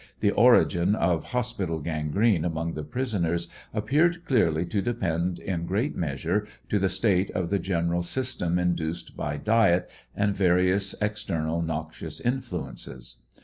The origin of hospital gangi'ene among the prisoners appeared clearly to depend in great measure to the state of the general system induced by diet, and various external noxious influences.